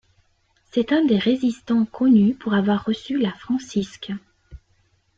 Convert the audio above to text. C'est un des résistants connus pour avoir reçu la Francisque.